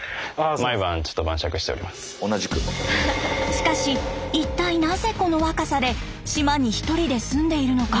しかし一体なぜこの若さで島に１人で住んでいるのか。